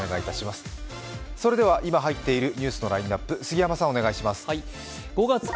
それでは今入っているニュースのラインナップ、杉山さん、お願いします。